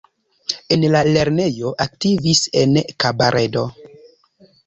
En la lernejo aktivis en kabaredo.